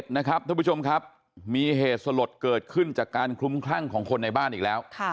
นะครับท่านผู้ชมครับมีเหตุสลดเกิดขึ้นจากการคลุมคลั่งของคนในบ้านอีกแล้ว